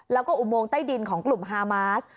แล้วก็อุโมงใต้ดินของกลุ่มฮามาส